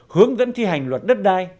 hướng dẫn thi hành luật đất đai